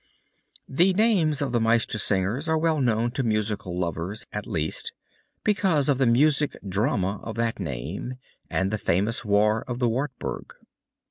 The names of the Meistersingers are well known to musical lovers at least, because of the music drama of that name and the famous war of the Wartburg.